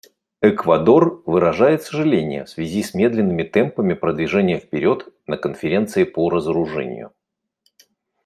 Эквадор выражает сожаление в связи с медленными темпами продвижения вперед на Конференции по разоружению.